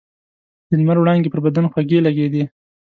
د لمر وړانګې پر بدن خوږې لګېدې.